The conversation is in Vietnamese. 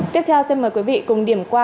tiếp theo xin mời quý vị cùng điểm qua